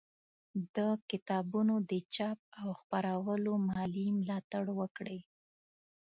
د کتابونو د چاپ او خپرولو مالي ملاتړ وکړئ